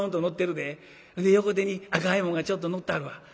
で横手に赤いもんがちょっとのってはるわ。